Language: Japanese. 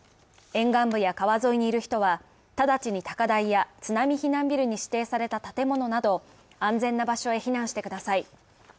沿岸部や川沿いにいる人は直ちに高台や津波避難ビルに指定された建物など安全な場所へ避難してください。